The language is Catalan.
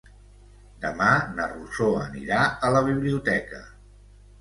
Demà na Rosó anirà a la biblioteca.